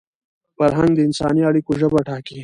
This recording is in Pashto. فرهنګ د انساني اړیکو ژبه ټاکي.